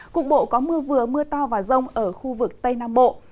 cục bộ có mưa vừa mưa to và rông ở khu vực tây nam bộ